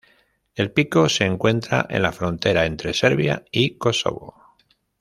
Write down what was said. El pico se encuentra en la frontera entre Serbia y Kosovo.